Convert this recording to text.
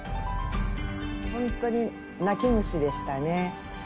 本当に泣き虫でしたね。